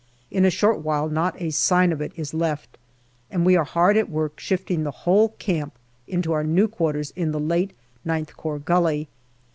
In a short while not a sign of it is left, and we are hard at work shifting the whole camp into our new quarters in the late IX Corps Gully.